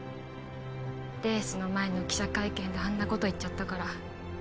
レースの前の記者会見であんなこと言っちゃったから